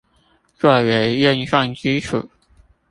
做為驗算基礎